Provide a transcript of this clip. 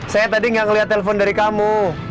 saya tadi gak ngeliat telepon dari kamu